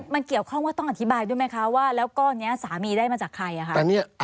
มันเกี่ยวข้องว่าต้องอธิบายด้วยไหมคะว่าแล้วก้อนนี้สามีได้มาจากใครคะ